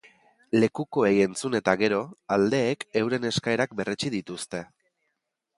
Lekukoei entzun eta gero, aldeek euren eskaerak berretsi dituzte.